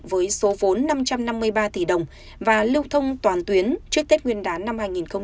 với số vốn năm trăm năm mươi ba tỷ đồng và lưu thông toàn tuyến trước tết nguyên đán năm hai nghìn hai mươi